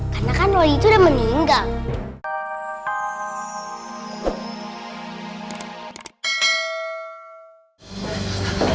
karena kan loli itu udah meninggal